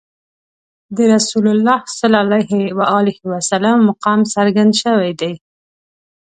د رسول الله صلی الله علیه وسلم مقام څرګند شوی دی.